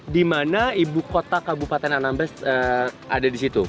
dimana ibukota kabupaten anambas ada di situ